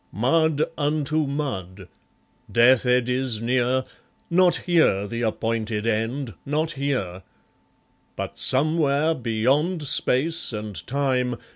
Mud unto mud! Death eddies near Not here the appointed End, not here! But somewhere, beyond Space and Time.